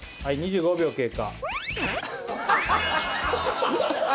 ４５秒経過。